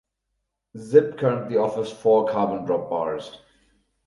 Zipp currently offers four carbon drop bars.